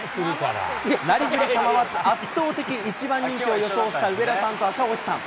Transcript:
なりふり構わず圧倒的１番人気を予想した上田さんと赤星さん。